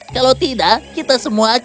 kalau tidak kita semua akan musnah